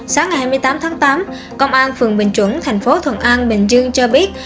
sáng ngày hai mươi tám tháng tám công an phường bình chuẩn thành phố thuận an bình dương cho biết